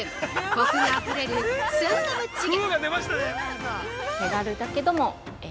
コクあふれるスンドゥブチゲ。